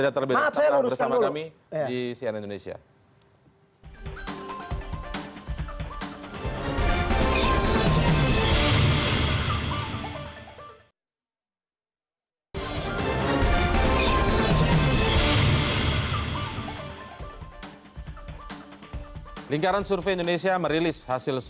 saya baca dari media anda salahkan media saja yang tulis